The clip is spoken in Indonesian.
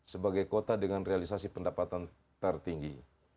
sebagai kota dengan realisasi pendapatan tertinggi